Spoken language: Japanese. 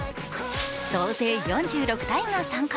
総勢４６体が参加。